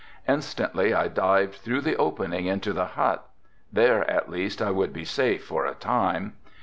Instantly I dived through the opening into the hut. There at least I would be safe for a time.